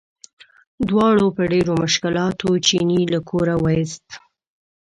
دواړو په ډېرو مشکلاتو چیني له کوره وویست.